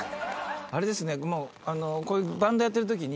あれですね。